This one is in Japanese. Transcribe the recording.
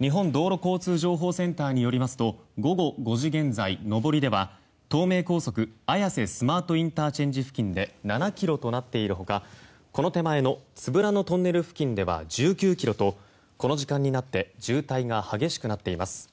日本道路交通情報センターによりますと午後５時現在、上りでは東名高速綾瀬スマートＩＣ付近で７ｋｍとなっているほかこの手前の都夫良野トンネル付近では１９ｋｍとこの時間になって渋滞が激しくなっています。